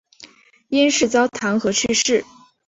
因事遭弹劾去世。